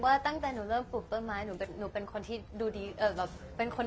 ว่าตั้งแต่หนูเริ่มปลูกเปิ้ลไม้หนูเป็นคนที่ดีขึ้นเยอะเลยค่ะ